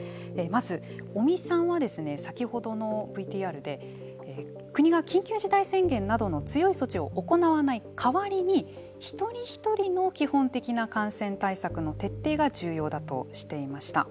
まず、尾身さんは先ほどのＶＴＲで国が緊急事態宣言などの強い措置を行わない代わりに一人一人の基本的な感染対策の徹底が重要だとしていました。